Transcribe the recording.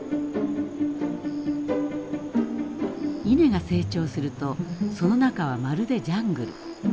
稲が成長するとその中はまるでジャングル。